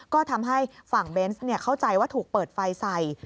ก็ทำให้ฝั่งเบนส์เข้าใจว่าถูกเปิดไฟใส่